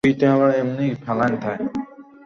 এটি ভোলা জেলার সর্ব-দক্ষিণের থানা।